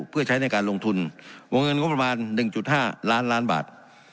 เพื่อใช้ในการลงทุนวงเงินงบประมาณ๑๕ล้านล้านบาท